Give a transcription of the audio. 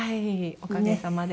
おかげさまで。